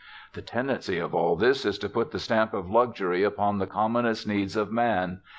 "The tendency of all this is to put the stamp of luxury upon the commonest needs of man.